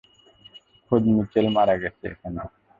খোদ মিচেল মারা গেছে এখানে!